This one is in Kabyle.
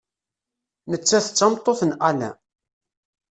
Nettat d tameṭṭut n Alain.